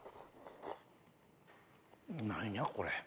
何やこれ。